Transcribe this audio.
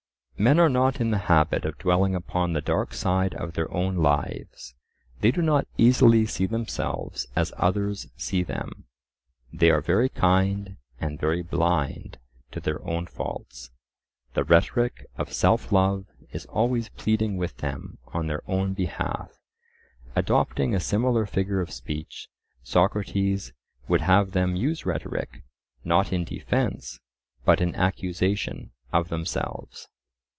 Men are not in the habit of dwelling upon the dark side of their own lives: they do not easily see themselves as others see them. They are very kind and very blind to their own faults; the rhetoric of self love is always pleading with them on their own behalf. Adopting a similar figure of speech, Socrates would have them use rhetoric, not in defence but in accusation of themselves.